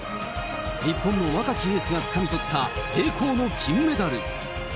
日本の若きエースがつかみ取った栄光の金メダル。